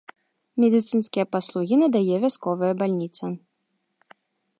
Медыцынскія паслугі надае вясковая бальніца.